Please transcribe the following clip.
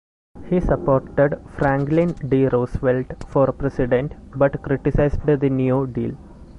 He supported Franklin D. Roosevelt for president but criticized the New Deal.